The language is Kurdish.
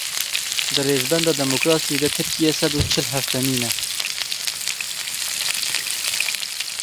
Di rêzbenda demokrasiyê de Tirkiye sed û çil heftemîn e.